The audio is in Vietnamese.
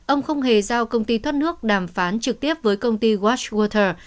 ông không hề giao công ty thoát nước đàm phán trực tiếp với công ty washwater